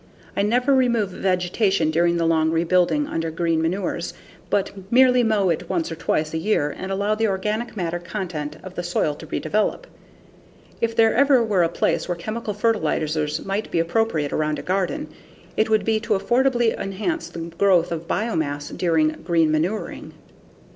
I never remove vegetation during the long rebuilding under green manures, but merely mow it once or twice a year and allow the organic matter content of the soil to redevelop. If there ever were a place where chemical fertilizers might be appropriate around a garden, it would be to affordably enhance the growth of biomass during green manuring.